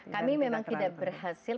kami memang tidak berhasil